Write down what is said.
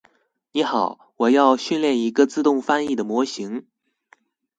你好，我要訓練一個自動翻譯的模型